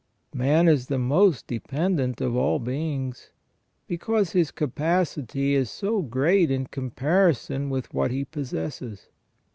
Man is the most dependent of all beings, because his capacity is so great in com parison with what he possesses.